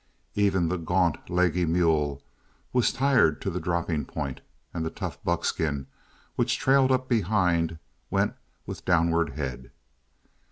Even the gaunt, leggy mule was tired to the dropping point, and the tough buckskin which trailed up behind went with downward head.